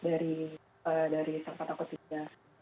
dari tempat aku tinggal